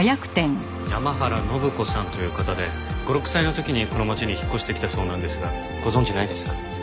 山原展子さんという方で５６歳の時にこの町に引っ越してきたそうなんですがご存じないですか？